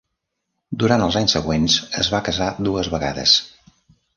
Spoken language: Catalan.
Durant els anys següents, es va casar dues vegades.